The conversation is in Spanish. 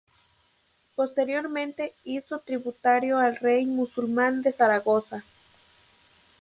Posteriormente hizo tributario al rey musulmán de Zaragoza.